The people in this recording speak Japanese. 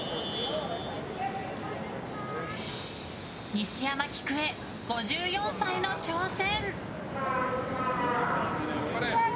西山喜久恵、５４歳の挑戦。